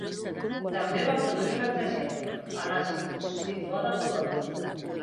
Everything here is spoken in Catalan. També va produir una tragèdia, "Alasco", situada a Polònia.